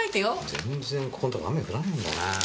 全然ここんとこ雨降らないんだなぁ。